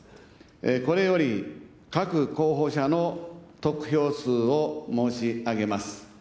これより、各候補者の得票数を申し上げます。